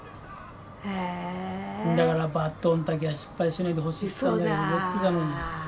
だからバトンだけは失敗しないでほしいって言ってたのに。